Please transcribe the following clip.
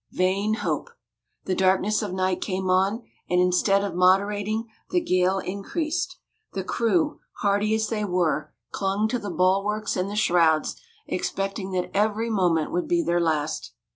Vain hope! The darkness of night came on, and instead of moderating, the gale increased. The crew, hardy as they were, clung to the bulwarks and the shrouds, expecting that every moment would be their last.